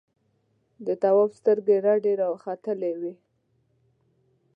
د تواب سترګې رډې راختلې وې.